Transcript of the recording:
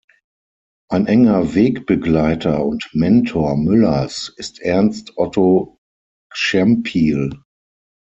Ein enger Wegbegleiter und Mentor Müllers ist Ernst-Otto Czempiel.